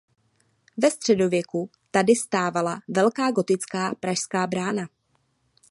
Ve středověku tady stávala velká gotická "Pražská brána".